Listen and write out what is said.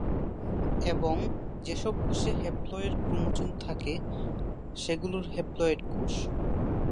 এবং, যেসব কোষে হ্যাপ্লয়েড ক্রোমোজোম থাকে সেগুলো হ্যাপ্লয়েড কোষ।